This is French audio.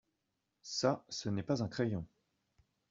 Ça ce n'est pas un crayon.